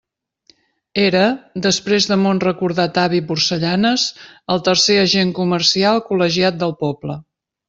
Era, després de mon recordat avi Porcellanes, el tercer agent comercial col·legiat del poble.